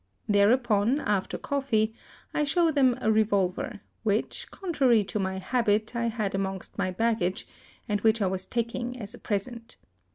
There upon, after coffee, I show them a revolver, which, contrary to my habit, I had amongst my baggage, and which I was taking as a present.